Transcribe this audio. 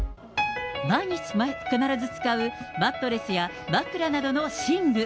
毎日必ず使う、マットレスや枕などの寝具。